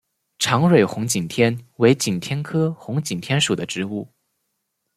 长蕊红景天为景天科红景天属的植物。